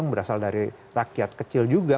berasal dari rakyat kecil juga